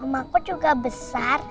rumahku juga besar